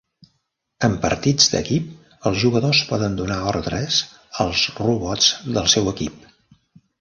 En partits d'equip, els jugadors poden donar ordres als robots del seu equip.